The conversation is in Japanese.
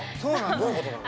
どういうことなの？